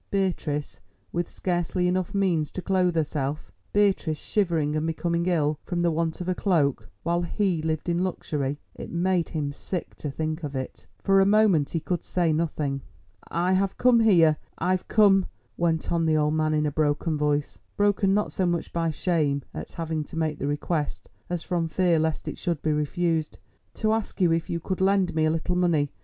Beatrice with scarcely enough means to clothe herself—Beatrice shivering and becoming ill from the want of a cloak while he lived in luxury! It made him sick to think of it. For a moment he could say nothing. "I have come here—I've come," went on the old man in a broken voice, broken not so much by shame at having to make the request as from fear lest it should be refused, "to ask you if you could lend me a little money.